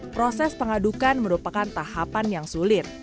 proses pengadukan merupakan tahapan yang sulit